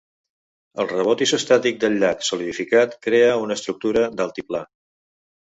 El rebot isostàtic del llac solidificat crea una estructura d'altiplà.